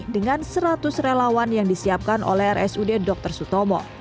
dengan seratus relawan yang disiapkan oleh rsud dr sutomo